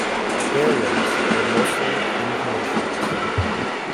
Burials were mostly inhumations.